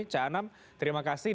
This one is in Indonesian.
cak anam terima kasih